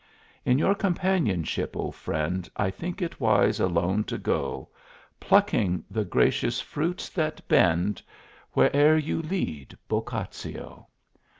In your companionship, O friend, I think it wise alone to go Plucking the gracious fruits that bend Wheree'er you lead, Boccaccio.